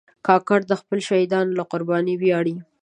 کاکړ د خپلو شهیدانو له قربانۍ ویاړي.